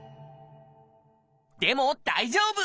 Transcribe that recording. でも大丈夫！